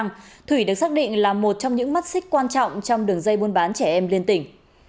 thủy được xác định là một trong những mắt xích quan trọng trong đường dây buôn bán trẻ em liên tỉnh